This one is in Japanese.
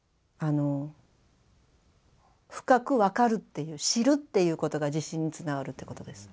深く分かるっていう知るっていうことが自信につながるってことです。